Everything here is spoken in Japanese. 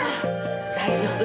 大丈夫。